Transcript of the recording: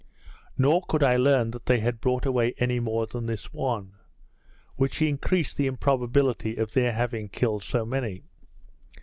Nor could I learn that they had brought away any more than this one; which increased the improbability of their having killed so many.